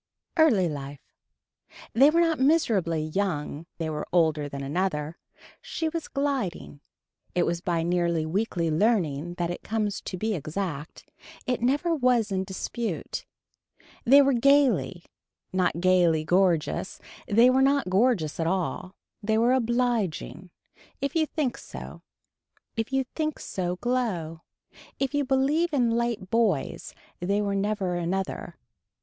Early Life. They were not miserably young they were older than another. She was gliding. It is by nearly weekly leaning that it comes to be exact. It never was in dispute. They were gayly not gaily gorgeous. They were not gorgeous at all. They were obliging. If you think so. If you think so glow. If you believe in light boys. They were never another.